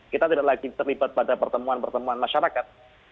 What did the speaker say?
kita tidak lagi terlibat pada pertemuan pertemuan masyarakat